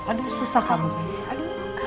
aduh susah kamu sayang